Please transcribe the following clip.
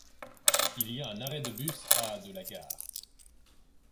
Il y a un arrêt de bus à de la gare.